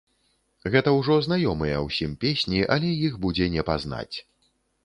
Гэта ўжо знаёмыя ўсім песні, але іх будзе не пазнаць.